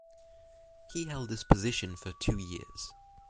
He held this position for two years.